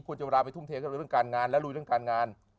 จะเวลาไปทุ่มเทกับเรื่องการงานและลุยเรื่องการงาน